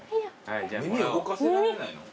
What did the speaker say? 耳動かせられないの？